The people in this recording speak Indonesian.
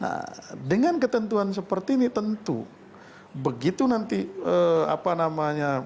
nah dengan ketentuan seperti ini tentu begitu nanti apa namanya